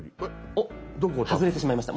おっ外れてしまいました。